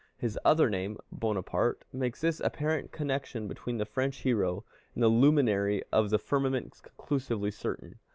His other name, Bonaparte, makes this apparent connection between the French hero and the luminary of the firmament conclusively certain.